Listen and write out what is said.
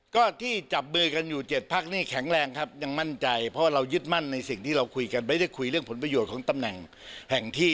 ก็ที่จับมือกันอยู่๗พักนี่แข็งแรงครับยังมั่นใจเพราะว่าเรายึดมั่นในสิ่งที่เราคุยกันไม่ได้คุยเรื่องผลประโยชน์ของตำแหน่งแห่งที่